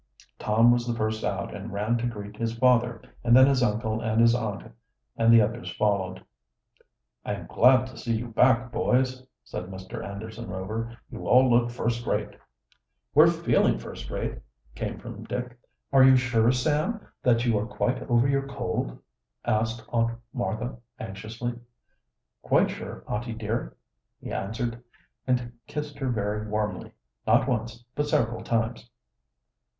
Tom was the first out and ran to greet his father, and then his uncle and his aunt, and the others followed. "I am glad to see you back, boys," said Mr. Anderson Rover. "You all look first rate." "We're feeling first rate," came from Dick. "Are you sure, Sam, that you are quite over your cold?" asked Aunt Martha anxiously. "Quite sure, aunty dear," he answered, and kissed her very warmly, not once, but several times.